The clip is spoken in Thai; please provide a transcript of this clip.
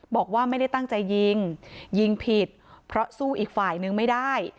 บอกว่าไม่ได้ตั้งใจยิงยิงผิดเพราะสู้อีกฝ่ายนึงไม่ได้